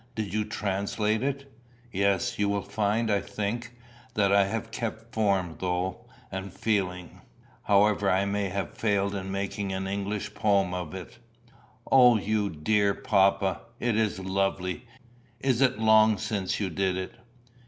Did you translate it?" "Yes. You will find, I think, that I have kept form, thought, and feeling, however I may have failed in making an English poem of it." "O, you dear papa, it is lovely! Is it long since you did it?"